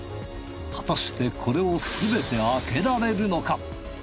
果たしてこれをすべて開けられるのか！？